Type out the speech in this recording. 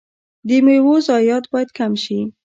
د میوو ضایعات باید کم شي.